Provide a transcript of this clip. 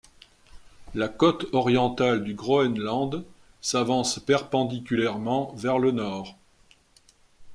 La côte orientale du Groënland s’avance perpendiculairement vers le nord.